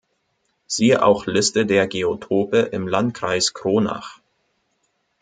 Siehe auch Liste der Geotope im Landkreis Kronach.